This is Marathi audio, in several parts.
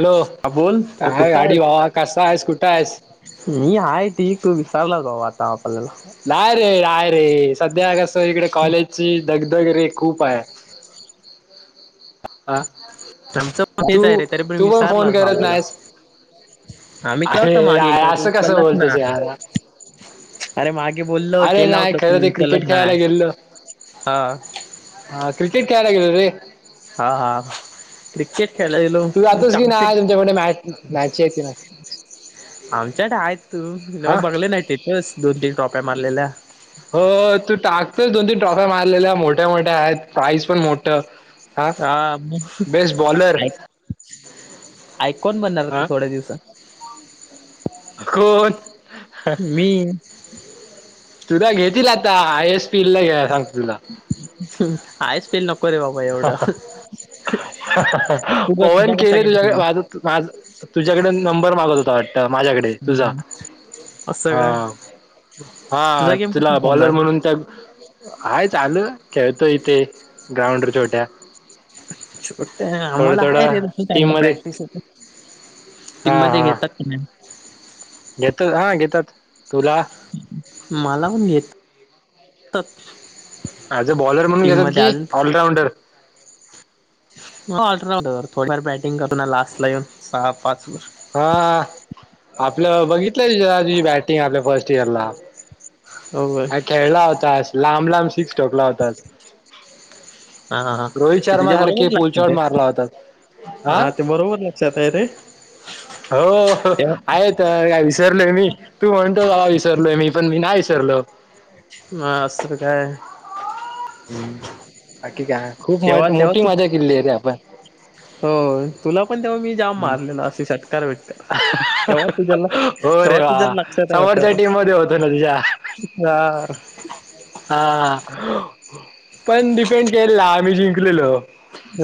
हॅलो हा बोल तर काय कुठं गाडी आहे भावा कसायेस कुठंयेस? मी हाय ठीक तू विसारलास भावा आता आपल्याला नाय रे, नाय रे, सध्या कसं इकडे कॉलेजची दगदग रे खूप हाय. [inaudible] आं आमचं पण तेच आहे तू रे तरी तू पण फोन विसरलाच करत भावाला नायेस. आम्ही केला अरे होता मागे नाय एकदा तू असं कसं उचललाच ना बोलतोस यारा अरे मागे बोललो केला नाही होता तू खरं ते उचलास क्रिकेट नाय खेळायला हा हां क्रिकेट खेळायला गेलेलो रे. हा हा क्रिकेट खेळायला गेलो तू जातोस की चॅमपिय नाही तुमच्याकडे मॅच मॅची आहे की नाही आमच्याकड आहेत तू नव्ह हा बघले नाय ते ह्योच दोन तीन टोप्या मारलेल्या हो तू टाकतोच दोन तीन ट्रॉफ्या मारलेल्या मोठ्या मोठ्या आहेत प्राईज पण मोठ हा मग ऐ आयकॉन बनणार तू हा थोड्या दिवसात कोण? मी तुला घेतील आता आय. एस. पी. ला घ्या सांगत तुला आय. एस. पील नको. नको रे बाबा एवढं तू बस पवन तुझ्या कसा केने घेतलं तुझ्याकडे म्हटलं माझं माझ तुझ्याकडे नंबर मागत होता वाटत माझ्याकडे तुझा असं हा काय तुझा हा गेम कसा तुला बॉलर चाललाय म्हणून त्या. हाय चालू खेळतो इथे ग्राउंडवर छोट्या छोट्या थोडं आम्हाला आहे थोडं रे तसं टीम चांगल मध्ये प्रॅक्टिस होत. हा टीम मध्ये हा घेतात का नाही? घेतात हा घेतात तुला मला कोण घेतयं त आज अ बॉलर म्हणून घेतात की ऑलराऊंडर मग अठरा धर थोडीफार बॅटिंग करू ना लास्ट ला येऊन सहा पाच वर हा आपलं बघितलंय यांच्या आधी बॅटिंग आपल्या फर्स्ट इयरला होय. खेळला होतास लांब लांब सिक्स ठोकला होतास. हां हां रोहित हे शर्मा तिच्या बरोबर सारखे लक्षात पुलशॉट मारला आहे, होता हा हां ते बरोबर लक्षा त आहे रे. हो तेव्हा आहे त्या वि विसरलोय मी. तू म्हणतो भावा विसरलोय मी, पण मी नाही विसरलो. ह असं काय. हम्म बाकी काय? खूप तेव्हा माठी तेव्हा मोठी तू मजा केली आहे रे आपण. हो तुला पण तेव्हा मी जाम हम्म. मारलेला असे षटकार बिटकार तेव्हा तुझ्या हो रे वा लक्षा लक्षात आहे समोरच्या वाटतं टीम मध्ये होतो ना तुझ्या यार. हा पण डिपेंड केलेला आम्ही जिंकलेलो.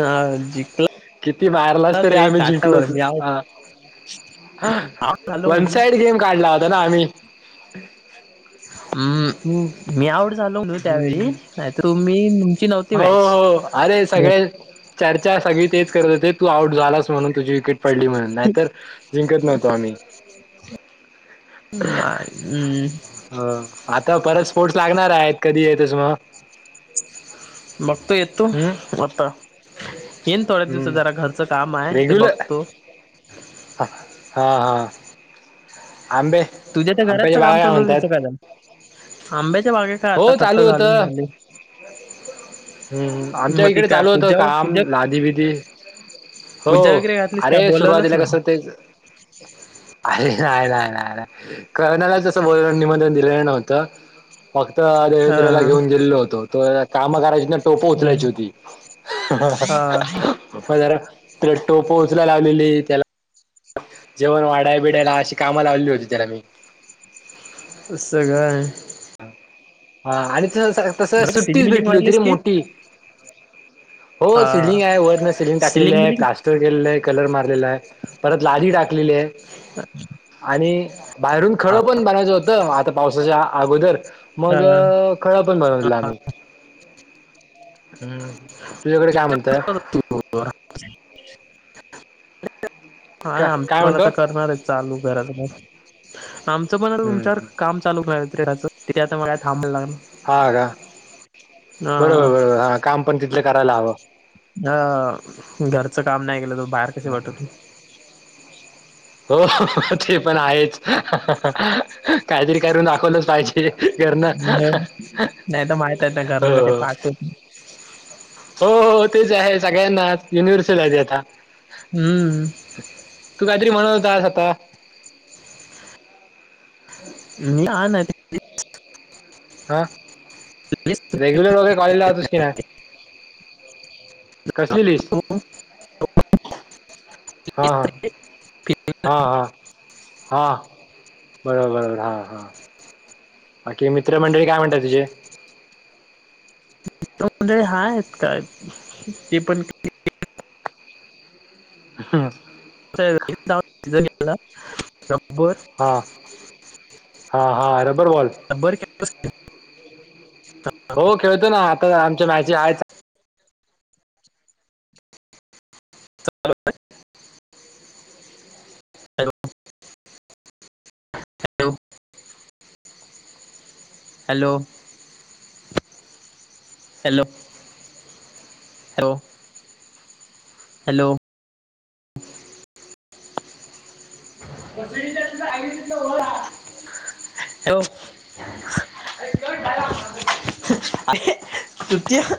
हा जिंकला किती मारलाच तरी तर एक आम्ही काटावर जिंकलोच मी आऊट हा. ह आऊट झालो वन म्हणून साइड गेम काढला होता ना आम्ही. हम्म मी आऊट झालो ना हम्म. त्यावेळी नाहीतर मी. हो हो अरे सगळे चर्चा सगळी तेच करत होते तू आऊट झालास म्हणून. तुझी विकेट पडली म्हणून नाहीतर जिंकत नव्हतो आम्ही नाही. हं आता परत स्पोर्ट्स लागणार आहेत कधी येतोस मग? बघ तो येतो. हम्म तू आता येन थोड्या दिवसात हम्म जरा घरचं काम आहे ते रेग्युलर बघतो. हा हा आंबे तुझ्या तर घरात आंब्याच्या सगळा बागा काय आमचा लोन दिसत म्हणतात असलं आंब्याच्या बागेत काय आता हो खत चालू घालून होतं झाली. हम्म आमच्या इकडे चालू होतं काम पूजा लादी बिदी. हो पूजा वगैरे घातलीस काय अरे बोलवलंच सुरवातीला ना कस तेच अरे नाय नाय नाय कोणाला तसं बोल निमंत्रण दिलेलं नव्हतं. फक्त देवेंद्रला अ घेऊन गेलेलो होतो कामं करायची ना टोप हा उचलायची होती. हा, प जरा तेला टोप उचलाय लावलेली त्याला. जेवण वाढाय बिडायला अशी काम लावली होती त्याला मी. सगळ हाय. हा आणि [unintelligible] त-तस सिलिंग सुट्टीच बिलिंग भेटली होती रे मारलीस की मोठी. हो हा सिलिंग आहे वरन सिलिंग टाकलेली आहे प्ला स्टर केलेला आहे कलर मारलेला आहे, परत लादी टाकलेली आहे. आणि, बाहेरून हा खळं पण भरायचं होतं आता पावसाच्या अगोदर. मग हा खळं पण भरावी लागेल. हा, हम्म, तुझ्याकडे काय म्हणतय? [inaudible] का आमचं काय पण म्हणतो आता करणार हाईत. चालू करायच, [unintelligible] आमच पण तुमच्यावर हम्म काम चालू ठेवायचं तेराच, तीथे आता मला [unintelligible] थांबाय लागणार. हा का, बरोबर बरोबर हा काम पण तिथलं करायला हवं. हां, घरचं काम नाही केलं तर बाहेर कसे पाठवतील? हो ते पण आहेच, काहीतरी करून दाखवलंच पाहिजे. हे घरन, नाही तर माहित आहे ना हो घरनं कसे हो. पाठवत हो हो तेच आहे सगळ्यांनाच, युनिव्हर्सल आहे ते आता. हंम्म. तू काहीतरी म्हणत होतास आता. मी हां ते हा, रेग्युलर वगैरे कॉलेजला होतास की नाही. कसली लिस्ट? [inaudible] हा हा. हां हां, हां, बरोबर बरोबर हां हां. बाकी मित्र मंडळी काय म्हणत्यात? [unintelligible] काय, ते पण [unintelligible] हा. हां [inaudible] हां हां रबर बॉल [unintelligible] हो खेळतो ना आता आमच्या मॅचे आहेत. [inaudible] हॅलो. Hello, hello. हॅ, हॅलो. [unintelligible] [unintelligible] अरे [unintelligible]